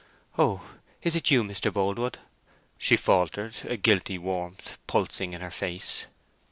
"Oh; is it you, Mr. Boldwood?" she faltered, a guilty warmth pulsing in her face.